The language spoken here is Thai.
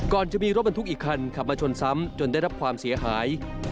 จะมีรถบรรทุกอีกคันขับมาชนซ้ำจนได้รับความเสียหาย